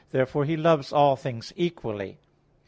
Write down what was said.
Therefore He loves all things equally.